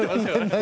何？